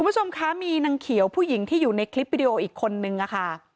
คุณผู้ชมคะมีนางเขียวผู้หญิงที่อยู่ในคลิปวิดีโออีกคนนึงค่ะ